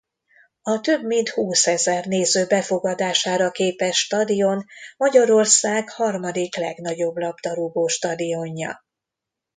A több mint húszezer néző befogadására képes stadion Magyarország harmadik legnagyobb labdarúgó stadionja.